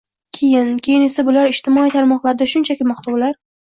Keyin... Keyin esa bular ijtimoiy tarmoqlarda shunchaki maqtovlar